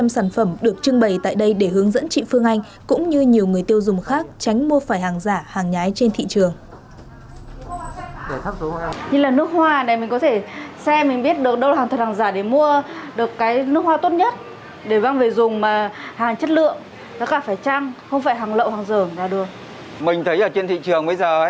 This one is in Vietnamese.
hơn ba trăm linh sản phẩm được trưng bày tại đây để hướng dẫn chị phương anh cũng như nhiều người tiêu dùng khác tránh mua phải hàng giả hàng nhái trên thị trường